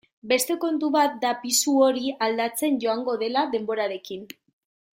Beste kontu bat da pisu hori aldatzen joango dela denborarekin.